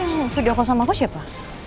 lalu yang video call sama aku siapa